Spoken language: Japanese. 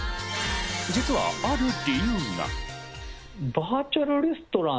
実はある理由が。